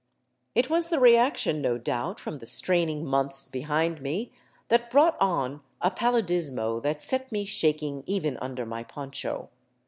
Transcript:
It was the reaction, no doubt, from the straining months behind me that brought on a paludismo that set me shaking even under my poncho.